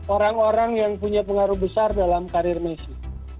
orang orang yang punya pengaruh besar dalam karir messi